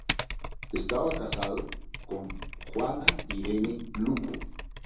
Estaba casado con Juana Irene Luco.